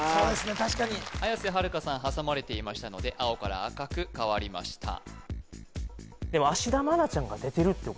確かに綾瀬はるかさん挟まれていましたので青から赤く変わりましたえっ